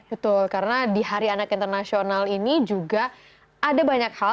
betul karena di hari anak internasional ini juga ada banyak hal